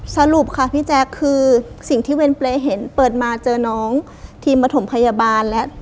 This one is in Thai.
สรุปค่ะพี่แจ๊คคือสิ่งที่เวรเปรย์เห็นเปิดมาเจอน้องทีมประถมพยาบาลและ